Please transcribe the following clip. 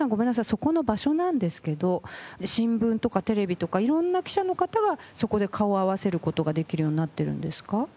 そこの場所なんですけど新聞とかテレビとか色んな記者の方がそこで顔を合わせる事ができるようになってるんですか？